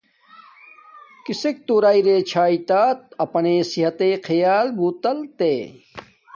کسک تو راݵ رے چھاݵ تو اپناݵ صحتݵ خیال بوتل تےݵ۔